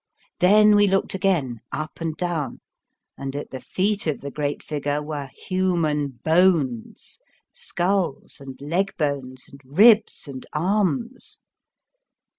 Then we looked again, up and down, and at the feet of the great figure were human bones, skulls and leg bones, and ribs and arms.